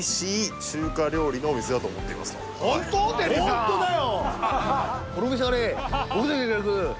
ホントだよ！